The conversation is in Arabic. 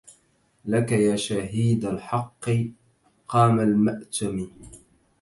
لك يا شهيد الحق قام المأتم